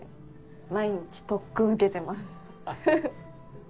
毎日特訓受けてます。